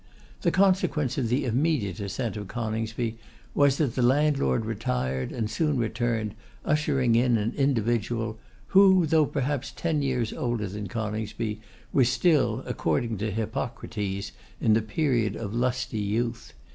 The consequence of the immediate assent of Coningsby was, that the landlord retired and soon returned, ushering in an individual, who, though perhaps ten years older than Coningsby, was still, according to Hippocrates, in the period of lusty youth.